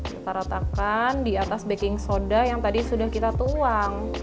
kita ratakan di atas baking soda yang tadi sudah kita tuang